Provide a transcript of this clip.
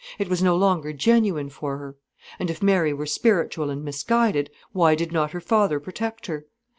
It was no longer genuine for her. And if Mary were spiritual and misguided, why did not her father protect her?